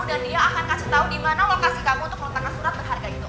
dan dia akan kasih tau dimana lokasi kamu untuk meletakkan surat berharga itu